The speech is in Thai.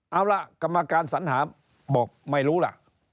เอาล่ะกรรมการสัญหาบอกไม่รู้ล่ะ